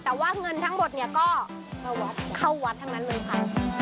แต่ว่าเงินทั้งหมดเนี่ยก็เข้าวัดทั้งนั้นเลยค่ะ